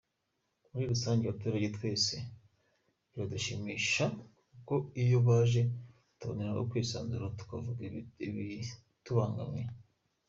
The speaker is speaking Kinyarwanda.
Muri rusange, abaturage twese biradushimisha kuko iyo baje tuboneraho kwisanzura tukavuga ibitubangamiye.